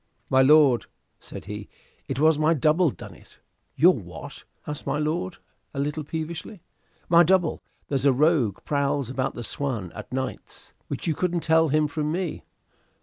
"My lord," said he, "it was my double done it." "Your what?" asked my lord, a little peevishly. "My double. There's a rogue prowls about the 'Swan' at nights, which you couldn't tell him from me.